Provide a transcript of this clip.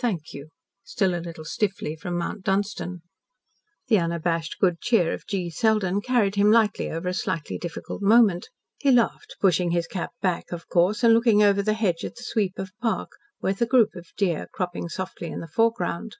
"Thank you," still a little stiffly, from Mount Dunstan. The unabashed good cheer of G. Selden carried him lightly over a slightly difficult moment. He laughed, pushing his cap back, of course, and looking over the hedge at the sweep of park, with a group of deer cropping softly in the foreground.